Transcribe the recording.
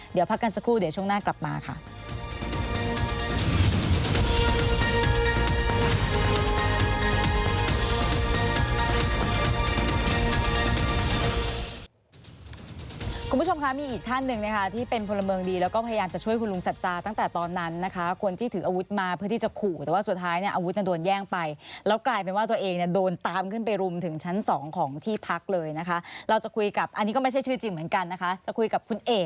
เดี๋ยวพักกันสักครู่เดี๋ยวช่วงหน้ากลับมาค่ะ